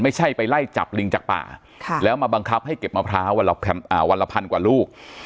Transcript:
ไม่ใช่ไปไล่จับลิงจากป่าแล้วมาบังคับให้เก็บมะพร้าววันละพันกว่าลูก